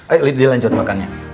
ayo dilanjut makannya